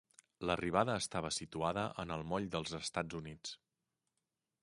L'arribada estava situada en el Moll dels Estats Units.